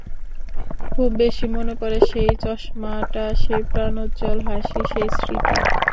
খুব বেশি মনে পড়ে সেই চশমাটা, সেই প্রাঞ্জল হাসি, সেই স্মৃতি।